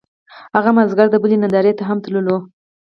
هغه مازیګر د بلۍ نندارې ته هم تللو